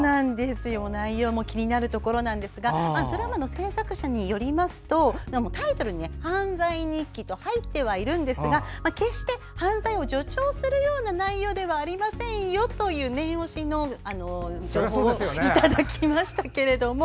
内容も気になるところなんですがドラマの制作者によりますとタイトルに「犯罪日記」と入って入るんですが決して、犯罪を助長するような番組ではありませんと念押しの情報をいただきました。